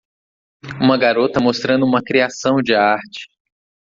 Uma garota mostrando uma criação de arte.